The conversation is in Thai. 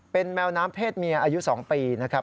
เป็นแมวน้ำเพศเมียอายุ๒ปีนะครับ